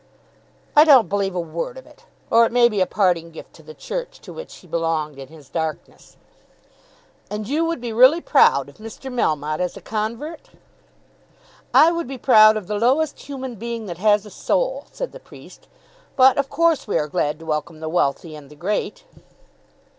"I don't believe a word of it; or it may be a parting gift to the Church to which he belonged in his darkness." "And you would be really proud of Mr. Melmotte as a convert?" "I would be proud of the lowest human being that has a soul," said the priest; "but of course we are glad to welcome the wealthy and the great."